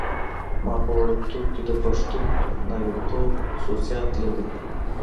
ما په وړکتوب کې د پښتون نارینتوب خصوصیات لیدلي.